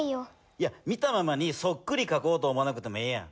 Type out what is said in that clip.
いや見たままにそっくりかこうと思わなくてもええやん。